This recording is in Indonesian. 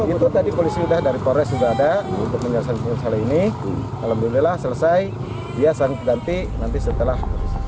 itu tadi polisi dari kores sudah ada untuk menyelesaikan hal ini alhamdulillah selesai dia sangat berganti nanti setelah